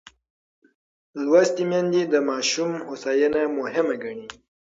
لوستې میندې د ماشوم هوساینه مهمه ګڼي.